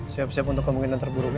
siap siap untuk kemungkinan terburuknya